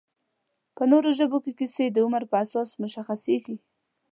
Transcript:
په نورو ژبو کې کیسې د عمر په اساس مشخصېږي